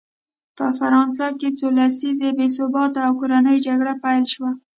په فرانسه کې څو لسیزې بې ثباتي او کورنۍ جګړه پیل شوه.